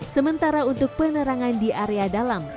sementara untuk penerangan di area dalam